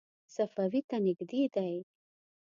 صفوي ته نږدې دی.